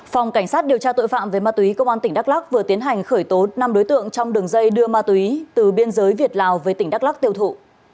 phòng cảnh sát điều tra tội phạm về ma túy công an tỉnh đắk lắc vừa tiến hành khởi tố năm đối tượng trong đường dây đưa ma túy từ biên giới việt lào về tỉnh đắk lắc tiêu thụ